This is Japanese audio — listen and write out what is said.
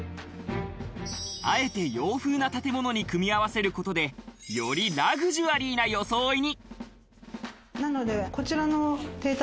あえて洋風な建物に組み合わせることで、よりラグジュアリーな装いに。